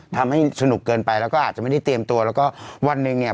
ทำให้สนุกเกินไปแล้วก็อาจจะไม่ได้เตรียมตัวแล้วก็วันหนึ่งเนี่ย